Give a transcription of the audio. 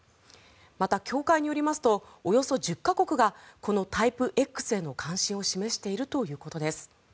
また、協会によりますとおよそ１０か国がこのタイプＸへの関心を示しているということです。